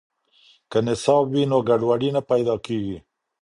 که نصاب وي نو ګډوډي نه پیدا کیږي.